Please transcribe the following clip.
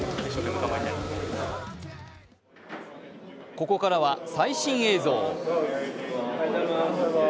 ここからは最新映像。